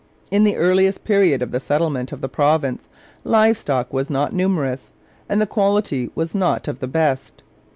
In the earliest period of the settlement of the province live stock was not numerous and the quality was not of the best.